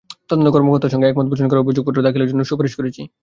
তাই তদন্ত কর্মকর্তার সঙ্গে একমত পোষণ করে অভিযোগপত্র দাখিলের জন্য সুপারিশ করেছি।